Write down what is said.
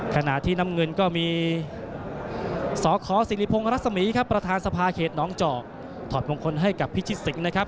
ขณะที่น้ำเงินก็มีสขสิริพงศ์รัศมีครับประธานสภาเขตน้องจอกถอดมงคลให้กับพิชิตสิงห์นะครับ